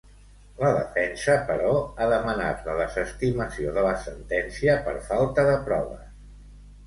La defensa, però, ha demanat la desestimació de la sentència per falta de proves.